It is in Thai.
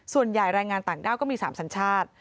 ส่วนใหญ่แรงงานต่างด้าวก็มี๓สัญชาติ